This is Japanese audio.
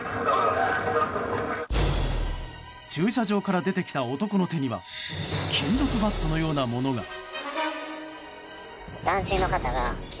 駐車場から出てきた男の手には金属バットのようなものが。